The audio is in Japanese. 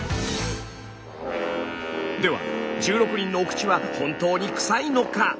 では１６人のお口は本当に臭いのか？